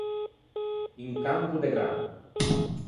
Un campo de gran.